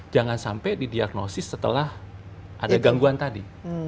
jangan sampai didiagnosis setelah ada gangguan tadi